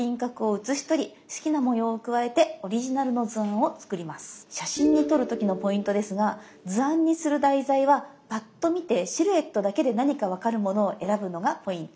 写真に撮る時のポイントですが図案にする題材はパッと見てシルエットだけで何かわかるものを選ぶのがポイント。